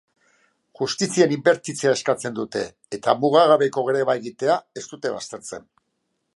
Justizian inbertitzea eskatzen dute eta mugagabeko greba egitea ez dute baztertzen.